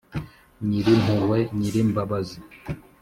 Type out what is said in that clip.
nyir’impuhwe, nyir’imbabazi